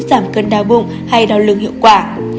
giảm cơn đau bụng hay đau lưng hiệu quả